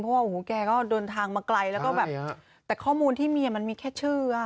เพราะว่าโอ้โหแกก็เดินทางมาไกลแล้วก็แบบแต่ข้อมูลที่มีมันมีแค่ชื่อ